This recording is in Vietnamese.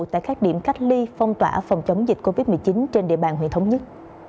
tại các điểm cách ly phong tỏa phòng chống dịch covid một mươi chín trên địa bàn huyện thống nhất